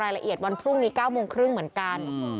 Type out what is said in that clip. ละเอียดวันพรุ่งนี้๙โมงครึ่งเหมือนกัน